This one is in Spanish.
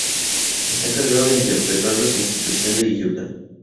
Está cargada de interpretar la Constitución de Utah.